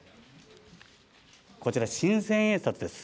こちら、新千円札です。